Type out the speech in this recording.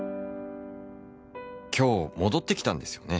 「今日戻って来たんですよね」